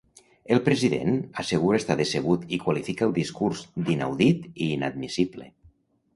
El president assegura estar decebut i qualifica el discurs d’inaudit i inadmissible.